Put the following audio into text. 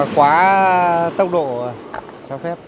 quá tốc độ cho phép